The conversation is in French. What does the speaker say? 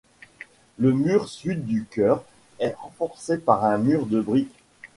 Le mur sud du chœur est renforcé par un mur de briques.